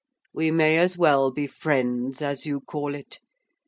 We may as well be friends, as you call it.